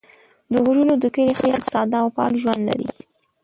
د غرونو د کلي خلک ساده او پاک ژوند لري.